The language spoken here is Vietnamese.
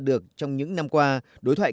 được phát triển vào đất nước